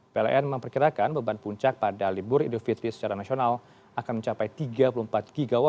pln memperkirakan beban puncak pada libur idul fitri secara nasional akan mencapai tiga puluh empat gw